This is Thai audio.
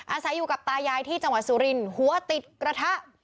อาศัยอยู่กับตายายที่จังหวัดสุรินทร์หัวติดกระทะ